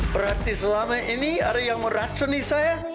berarti selama ini ada yang meracuni saya